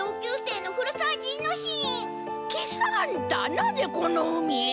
なぜこの海へ？